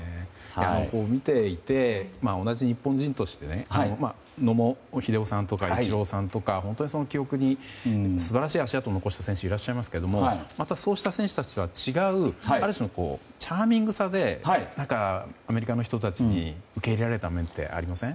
見ていて同じ日本人として野茂英雄さんとかイチローさんとか本当に記録に素晴らしい足跡を残した選手がいますけどそうした選手たちとは違うある種のチャーミングさでアメリカの人たちに受け入れられた面ってありません？